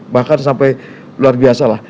bahkan sampai luar biasa lah